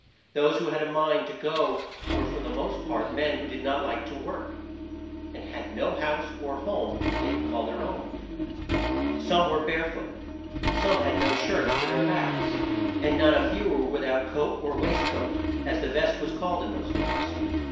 Those who had a mind to go were for the most part men who did not like to work, and had no house or home they could call their own. Some were bare foot, some had no shirts to their backs, and not a few were with out coat or waist coat, as the vest was called in those days.